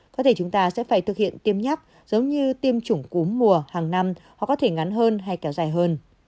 có thể chúng ta sẽ phải thực hiện tiêm nhắc giống như tiêm chủng cúm mùa hàng năm hoặc có thể ngắn hơn hay kéo dài hơn